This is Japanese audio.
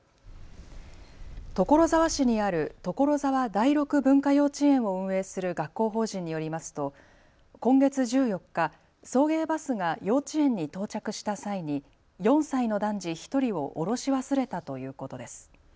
所沢市にある所沢第六文化幼稚園を運営する学校法人によりますと今月１４日、送迎バスが幼稚園に到着した際に４歳の男児１人を降ろし忘れたということです。